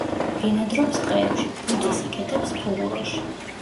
ბინადრობს ტყეებში; ბუდეს იკეთებს ფუღუროში.